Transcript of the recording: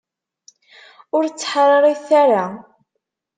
Ur tteḥṛiṛitet ara!